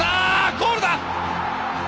ゴールだ！